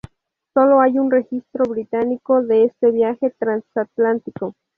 Solo hay un registro británico de este viaje transatlántico.